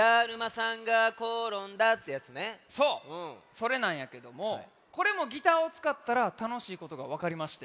それなんやけどもこれもギターをつかったらたのしいことがわかりまして。